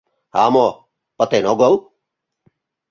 — А мо пытен огыл?